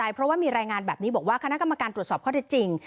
เพราะว่ามีรายงานแบบนี้บอกว่าคณะกรรมการตรวจสอบข้อเท็จจริง